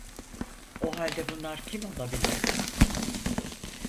O halde bunlar kim olabilirdi?